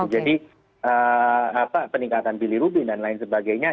jadi peningkatan bilirubin dan lain sebagainya